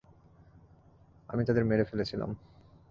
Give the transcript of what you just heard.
আমি তাদের মেরে ফেলেছিলাম।